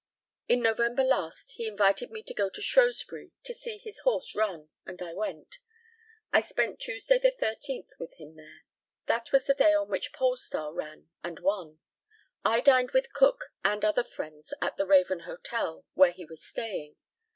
In November last he invited me to go to Shrewsbury to see his horse run, and I went. I spent Tuesday, the 13th, with him there. That was the day on which Polestar ran and won. I dined with Cook and other friends at the Raven Hotel, where he was staying.